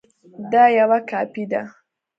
دا یوه کاپي ده